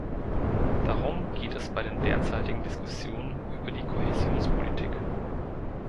Darum geht es bei den derzeitigen Diskussionen über die Kohäsionspolitik.